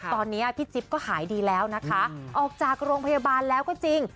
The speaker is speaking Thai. ตอนนี้พี่จิ๊บก็หายดีแล้วนะคะออกจากโรงพยาบาลแล้วก็จริง